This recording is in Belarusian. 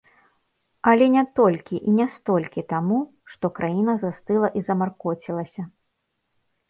Але не толькі і не столькі таму, што краіна застыла і замаркоцілася.